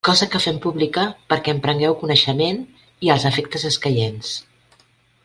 Cosa que fem pública perquè en prengueu coneixement i als efectes escaients.